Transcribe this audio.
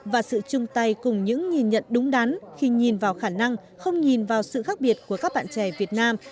và sự chung tay cùng những nhìn nhận đúng đắn khi nhìn vào khả năng không nhìn vào sự khác biệt của các bạn trẻ việt nam